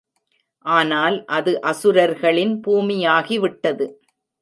ஆனால் அது அசுரர்களின் பூமியாகிவிட்டது.